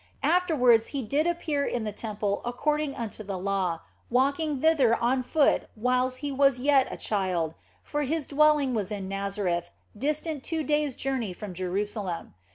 Afterwards He did appear in the Temple according unto the law, walking thither on foot whiles He was yet a child, for His dwelling was in Nazareth, distant two days journey from Jerusalem.